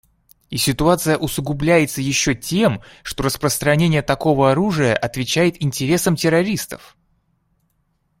И ситуация усугубляется еще тем, что распространение такого оружия отвечает интересам террористов.